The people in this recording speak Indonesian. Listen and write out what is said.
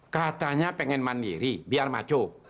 katanya pengen mandiri biar masuk